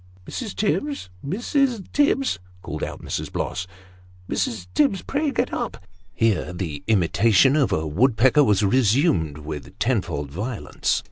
" Mrs. Tibbs ! Mrs. Tibbs !" called out Mrs. Bloss. " Mrs. Tibbs, pray get up." (Here the imitation of a woodpecker was resumed with tenfold violence.)